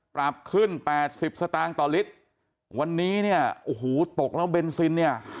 ปรับขึ้นแปดสิบสตางค์ต่อลิตรวันนี้เนี่ยโอ้โหตกแล้วเบนซินเนี่ย